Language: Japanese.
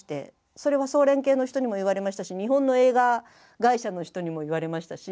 それは総連系の人にも言われましたし日本の映画会社の人にも言われましたし。